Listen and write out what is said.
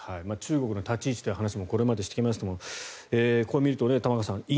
中国の立ち位置という話もこれまでもしてきましたがこう見ると玉川さん